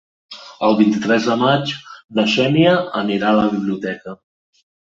El vint-i-tres de maig na Xènia anirà a la biblioteca.